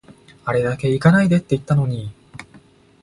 あれだけ行かないでって言ったのに